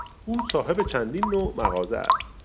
او صاحب چندین نوع مغازه است.